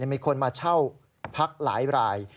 มีคนมาเช่าพักหลายราย